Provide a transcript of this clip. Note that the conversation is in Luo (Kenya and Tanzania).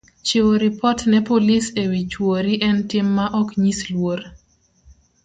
Chiwo ripot ne polis e wi chwori en tim ma ok nyis luor